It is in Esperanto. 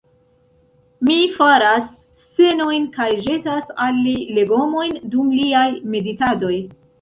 Mi faras scenojn kaj ĵetas al li legomojn dum liaj meditadoj.